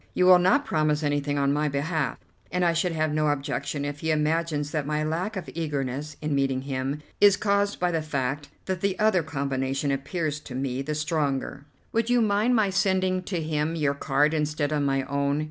You will not promise anything on my behalf, and I should have no objection if he imagines that my lack of eagerness in meeting him is caused by the fact that the other combination appears to me the stronger." "Would you mind my sending to him your card instead of my own?